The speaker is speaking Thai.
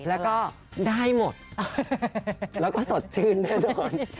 แล้วก็ได้หมดแล้วก็สดชื่นแน่นอน